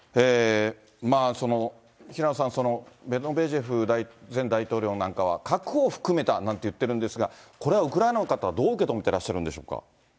平野さん、メドベージェフ前大統領なんかは、核を含めたなんて言ってるんですが、これはウクライナの方はどう受け止めていらっしゃるんでしょうか。